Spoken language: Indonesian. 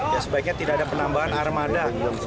ya sebaiknya tidak ada penambahan armada